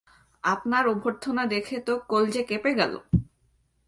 আপনার অভ্যর্থনা দেখে তো কলজে কেঁপে গেল!